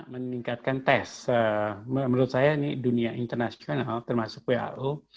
meningkatkan tes menurut saya ini dunia internasional termasuk who